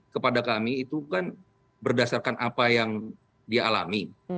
kepada kami itu kan berdasarkan apa yang dia alami